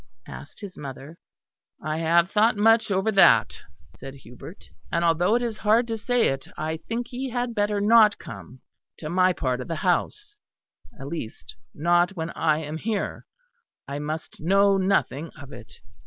asked his mother. "I have thought much over that," said Hubert; "and although it is hard to say it, I think he had better not come to my part of the house at least not when I am here; I must know nothing of it.